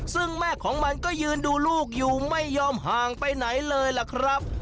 ซึ่งแม่ของมันก็ยืนดูลูกอยู่ไม่ยอมห่างไปไหนเลยล่ะครับ